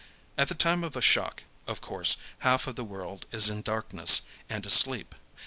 At the time of a shock, of course, half of the world is in darkness and asleep.